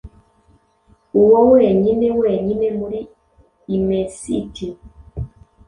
Uwo wenyine wenyine muri Imensiti